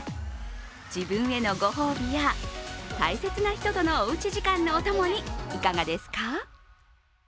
自分へのご褒美や、大切な人とのおうち時間のお供にいかがですか？